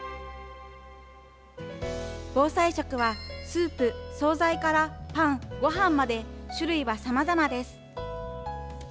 防災食はスープ、総菜からパン、ごはんまで、種類はさまざまです。